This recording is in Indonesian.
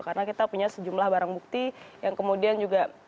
karena kita punya sejumlah barang bukti yang kemudian juga